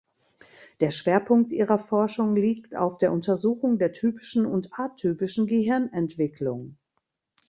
Der Schwerpunkt ihrer Forschung liegt auf der Untersuchung der typischen und atypischen Gehirnentwicklung.